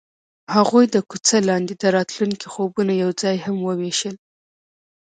هغوی د کوڅه لاندې د راتلونکي خوبونه یوځای هم وویشل.